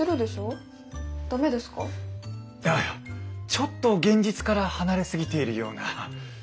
ちょっと現実から離れ過ぎているような。